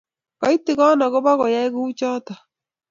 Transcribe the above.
Koitigon akobo koyai kuchotok